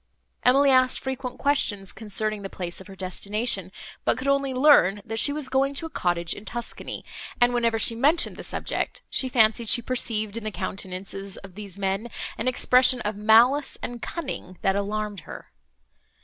Emily asked frequent questions, concerning the place of her destination, but could only learn, that she was going to a cottage in Tuscany; and, whenever she mentioned the subject, she fancied she perceived, in the countenances of these men, an expression of malice and cunning, that alarmed her.